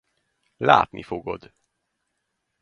Látni fogod.